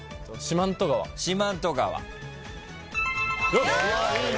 よし！